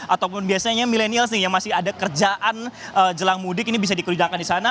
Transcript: ataupun biasanya milenial sih yang masih ada kerjaan jelang mudik ini bisa dikerjakan di sana